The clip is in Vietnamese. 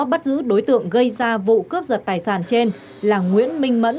bắt giữ đối tượng gây ra vụ cướp giật tài sản trên là nguyễn minh mẫn